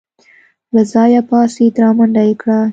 له ځايه پاڅېد رامنډه يې کړه.